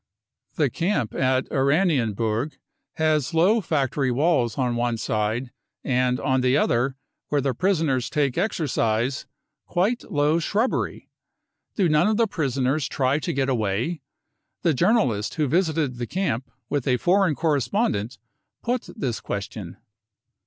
The camp at Oranienburg has low factory walls on one side, and on the other, where the prisoners take exercise, quite low shrubbery. Do none of the prisoners try to get away ? The journalist who visited the camp with a foreign correspondent put this question.